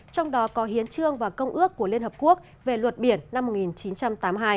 trong đó có hiến trương và công ước của liên hợp quốc về luật biển năm một nghìn chín trăm tám mươi hai